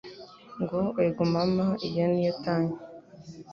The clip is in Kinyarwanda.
Ngo: Ego mama iyo ni yo tanki